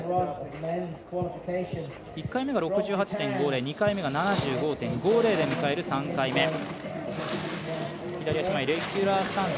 １回目が６８．５０２回目が７５．５０で迎える３回目。